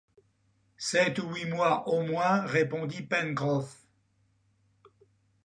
Sept ou huit mois au moins, répondit Pencroff.